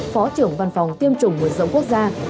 phó trưởng văn phòng tiêm chủng mở rộng quốc gia